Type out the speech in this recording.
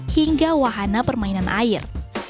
hingga wahana permainan air